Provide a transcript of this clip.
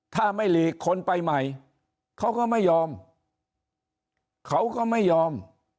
ถ้าไม่หลีกคนไปใหม่เขาก็ไม่ยอมเขาก็ไม่ยอม